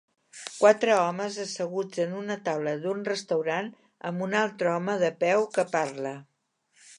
Quatre homes asseguts en una taula d'un restaurant amb un altre home de peu que parla.